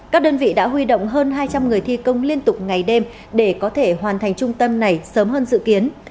các đơn vị đã huy động hơn hai trăm linh người thi công liên tục ngày đêm để có thể hoàn thành trung tâm này sớm hơn dự kiến